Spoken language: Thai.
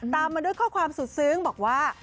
ตามมาด้วยข้อความสุดซึ้งบอกว่า